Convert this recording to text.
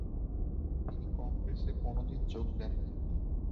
তিনি কংগ্রেসে কোনদিন যোগ দেন নি।